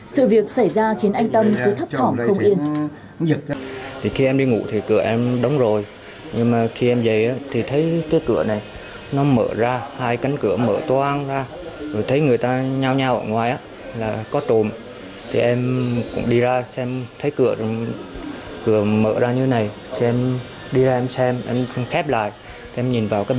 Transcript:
sự việc xảy ra khiến anh tâm cứ thấp thỏm không yên